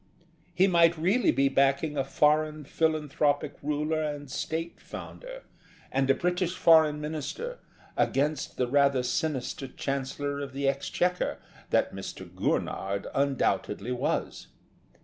CHAPTER FOUR He might really be backing a foreign, philanthropic ruler and State founder, and a British Foreign Minister, against the rather sinister Chancellor of the Exchequer that Mr. Gurnard undoubtedly was.